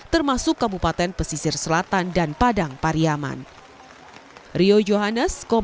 termasuk kabupaten pesisir selatan dan padang pariaman